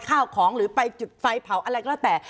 ข้าวของหรือไปจุดไฟเผาอะไรก็แล้วแต่